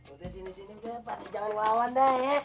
udah sini sini pak jangan wawan deh ya